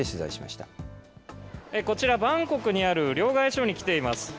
こちらバンコクにある両替所に来ています。